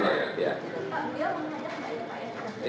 ya keputusan kepada panglima